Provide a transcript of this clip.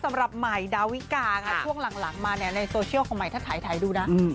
สำหรับใหม่ดาวิกาค่ะช่วงหลังมาเนี่ยในโซเชียลของใหม่ถ้าถ่ายดูนะ